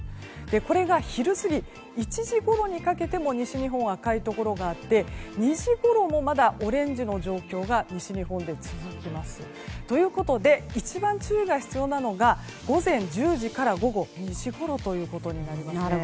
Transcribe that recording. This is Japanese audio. これが昼過ぎ、１時ごろにかけても西日本は赤いところがあって２時ごろもまだオレンジの状況が西日本で続きます。ということで一番、注意が必要なのが午前１０時から午後２時ごろということになりますね。